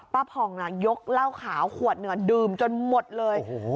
ผ่องยกเหล้าขาวขวดหนึ่งดื่มจนหมดเลย